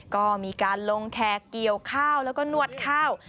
ก็มีการลงแขกเกี่ยวข้าวแล้วก็นวดข้าว